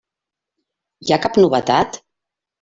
Hi ha cap novetat?